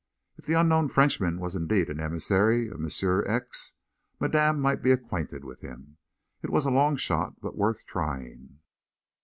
If the unknown Frenchman was indeed an emissary of Monsieur X., Madame might be acquainted with him. It was a long shot, but worth trying!